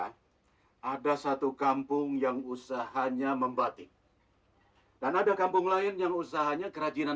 ada satu kampung yang usahanya membatik dan ada kampung lain yang usahanya kerajinan